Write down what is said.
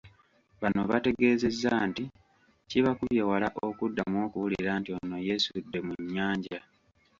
Bano bategeezezza nti kibakubye wala okuddamu okuwulira nti ono yeesudde mu nnyanja.